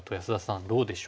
どうでしょう？